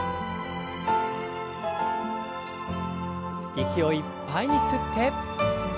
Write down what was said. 息をいっぱいに吸って。